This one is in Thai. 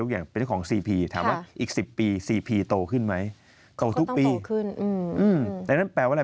ก็ต้องโตขึ้นอืมอืมแต่นั้นแปลว่าอะไร